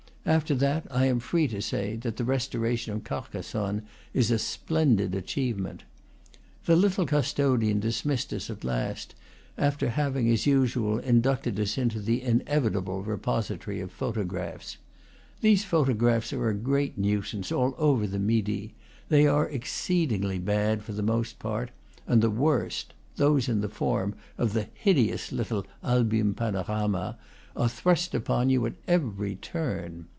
After that I am free to say that the restoration of Carcassonne is a splendid achievement. The little custodian dismissed us at last, after having, as usual, inducted us into the inevi table repository of photographs. These photographs are a great nuisance, all over the Midi. They are exceedingly bad, for the most part; and the worst those in the form of the hideous little album pano rama are thrust upon you at every turn.